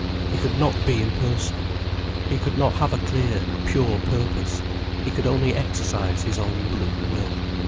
He could not be impersonal. He could not have a clear, pure purpose, he could only exercise his own brute will.